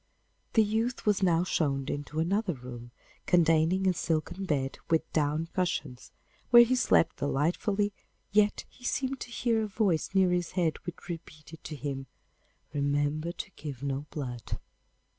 The youth was now shown into another room, containing a silken bed with down cushions, where he slept delightfully, yet he seemed to hear a voice near his bed which repeated to him, 'Remember to give no blood!